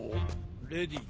レディー